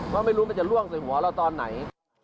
เพราะไม่รู้มันจะล่วงใส่หัวเราตอนไหน